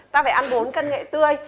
ta phải ăn bốn cân nghệ tươi